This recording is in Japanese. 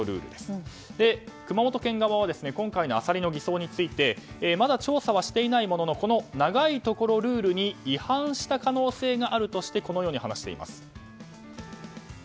熊本県側は今回のアサリの偽装についてまだ調査はしていないものの長いところルールに違反した可能性があるとしてこのように話しています。